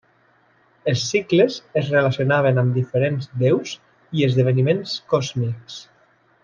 Els cicles es relacionaven amb diferents déus i esdeveniments còsmics.